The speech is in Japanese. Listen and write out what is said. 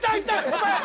お前！